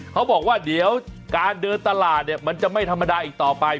เขาบอกว่าเดี๋ยวการเดินตลาดเนี่ยมันจะไม่ธรรมดาอีกต่อไป